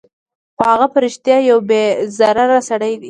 خو هغه په رښتیا یو بې ضرره سړی دی